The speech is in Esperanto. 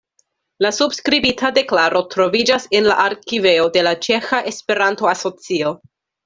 La subskribita deklaro troviĝas en la arkivejo de la Ĉeĥa Esperanto-Asocio.